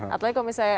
apalagi kalau misalnya